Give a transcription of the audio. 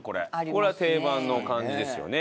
これは定番の感じですよね。